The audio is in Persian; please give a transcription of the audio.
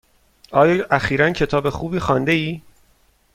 آیا اخیرا کتاب خوبی خوانده ای؟